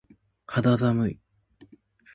肌寒い。